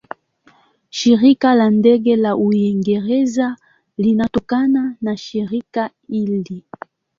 Shirika la Ndege la Uingereza linatokana na shirika hili.